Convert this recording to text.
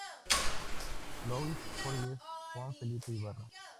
Luis Borges, Juan Felipe Ibarra.